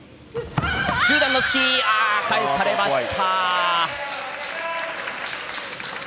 中段の突き、返されました。